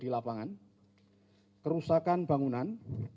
lapangan kerusakan bangunan